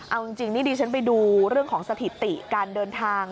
เอาจริงนี่ดิฉันไปดูเรื่องของสถิติการเดินทาง